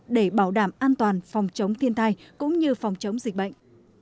để bảo đảm an toàn phòng chống thiên tai cũng như phòng chống dịch bệnh